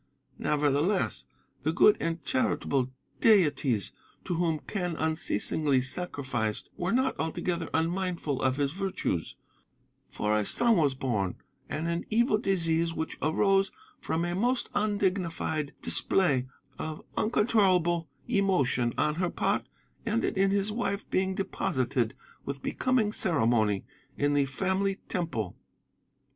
Nevertheless, the good and charitable deities to whom Quen unceasingly sacrificed were not altogether unmindful of his virtues; for a son was born, and an evil disease which arose from a most undignified display of uncontrollable emotion on her part ended in his wife being deposited with becoming ceremony in the Family Temple.